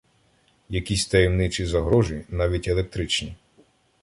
Якісь таємничі загорожі, навіть електричні.